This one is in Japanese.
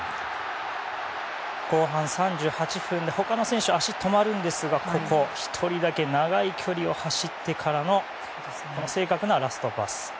後半３８分で他の選手は足が止まるんですがここ１人だけ長い距離を走ってからの正確なラストパス。